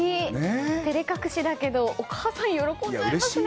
照れ隠しだけどお母さん、喜んじゃいますね。